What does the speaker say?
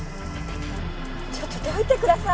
ちょっとどいてください。